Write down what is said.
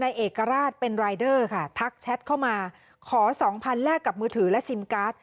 เอกราชเป็นรายเดอร์ค่ะทักแชทเข้ามาขอสองพันแลกกับมือถือและซิมการ์ด